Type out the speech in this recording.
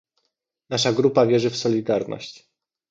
Nasza grupa wierzy w solidarność